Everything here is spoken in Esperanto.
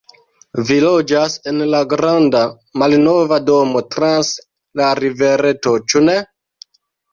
Vi loĝas en la granda, malnova domo trans la rivereto, ĉu ne?